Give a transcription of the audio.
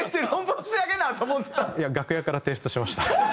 いや楽屋から提出しました。